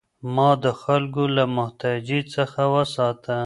ما د خلکو له محتاجۍ څخه وساته.